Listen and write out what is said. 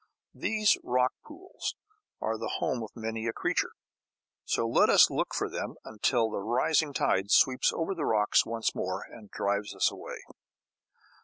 These rock pools are the home of many a creature. So let us look for them, until the rising tide sweeps over the rocks once more, and drives us away.